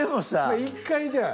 １回じゃあ。